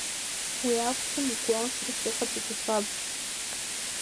Уи акәӡам гәалсрас иҟаҵатәу, саб…